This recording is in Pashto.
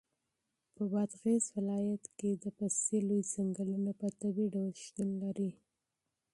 په بادغیس ولایت کې د پستې لوی ځنګلونه په طبیعي ډول شتون لري.